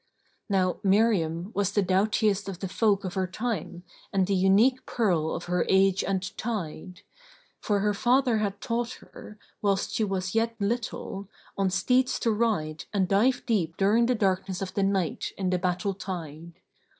Now Miriam was the doughtiest of the folk of her time and the unique pearl of her age and tide; for her father had taught her, whilst she was yet little, on steeds to ride and dive deep during the darkness of the night in the battle tide.